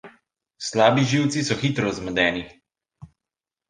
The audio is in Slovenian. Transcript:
Slabi živci so hitro zmedeni.